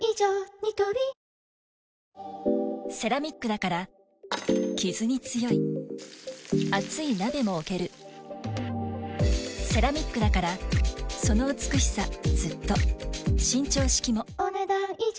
ニトリセラミックだからキズに強い熱い鍋も置けるセラミックだからその美しさずっと伸長式もお、ねだん以上。